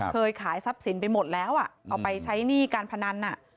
เคยขายทรัพย์สินไปหมดแล้วเอาไปใช้หนี้การพนัน